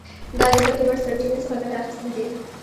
دا د ګټې وړ سرچینو څخه ګټه اخیستل دي.